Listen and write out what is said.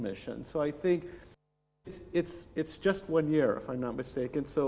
jadi saya pikir ini hanya satu tahun jika tidak salah